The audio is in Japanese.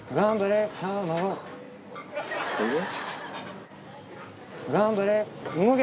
「えっ？」